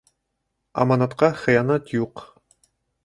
Аманатҡа хыянат юҡ.